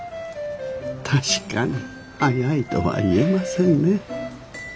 確かに速いとは言えませんね。